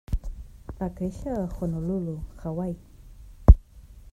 Va créixer a Honolulu, Hawaii.